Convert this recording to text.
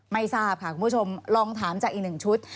ไม่ทราบค่ะคุณผู้ชมลองถามจากอีกหนึ่งชุด